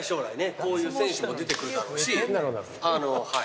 こういう選手も出てくるだろうしはい。